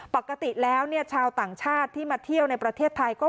ปกติแล้วชาวต่างชาติที่มาเที่ยวในประเทศไทยก็